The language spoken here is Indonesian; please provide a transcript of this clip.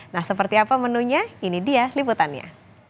nah seperti apa menunya ini dia liputannya